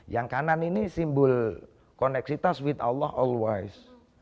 yang kanan ini simbol koneksitas with allah always